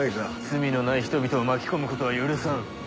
罪のない人々を巻き込むことは許さん。